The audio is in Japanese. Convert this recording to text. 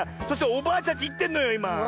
そしておばあちゃんちいってんのよいま。